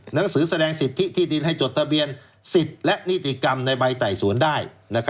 หนังสือแสดงสิทธิที่ดินให้จดทะเบียนสิทธิ์และนิติกรรมในใบไต่สวนได้